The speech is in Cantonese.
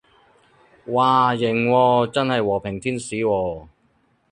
嘩，型喎，真係和平天使喎